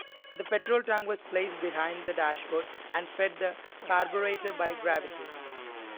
The petrol tank was placed behind the dashboard and fed the carburettor by gravity.